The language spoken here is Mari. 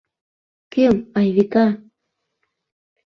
Кӧм, Айвика?